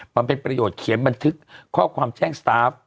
มันเป็นประโยชน์เขียนบันทึกข้อความแจ้งสตาฟ